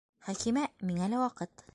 Хәкимә, миңә лә ваҡыт.